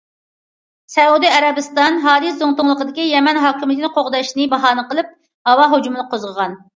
سەئۇدى ئەرەبىستان ھادى زۇڭتۇڭلۇقىدىكى يەمەن ھاكىمىيىتىنى قوغداشنى باھانە قىلىپ، ھاۋا ھۇجۇمى قوزغىغان.